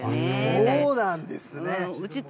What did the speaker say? そうなんですね。